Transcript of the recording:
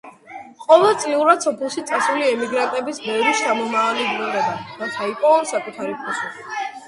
ყოველწლიურად სოფელში წასული ემიგრანტების ბევრი შთამომავალი ბრუნდება, რათა იპოვონ საკუთარი ფესვები.